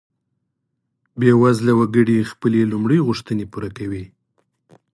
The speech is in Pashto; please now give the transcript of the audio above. بیوزله وګړي خپلې لومړۍ غوښتنې پوره کوي.